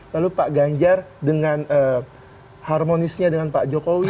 lalu pak ganjar dengan harmonisnya dengan pak jokowi